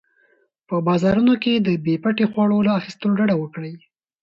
په بازارونو کې د بې پټي خواړو له اخیستلو ډډه وکړئ.